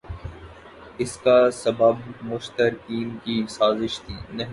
اس کا سبب مشترقین کی سازش نہیں